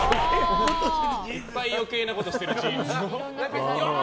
いっぱい余計なことしてるジーンズ。